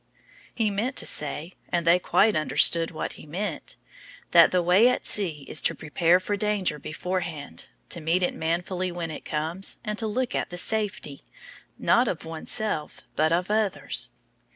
He meant to say and they quite understood what he meant that the way at sea is to prepare for danger beforehand, to meet it manfully when it comes, and to look at the safety, not of oneself, but of others.